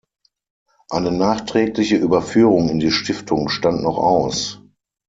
Eine nachträgliche Überführung in die Stiftung stand noch aus.